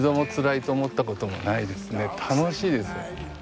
楽しいですよ。